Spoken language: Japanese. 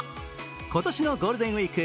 今年のゴールデンウイーク